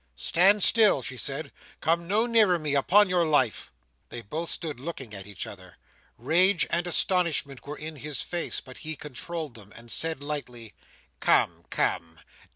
"Stand still!" she said, "come no nearer me, upon your life!" They both stood looking at each other. Rage and astonishment were in his face, but he controlled them, and said lightly, "Come, come!